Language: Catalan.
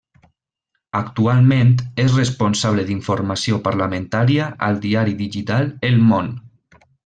Actualment és responsable d'informació parlamentària al diari digital El Món.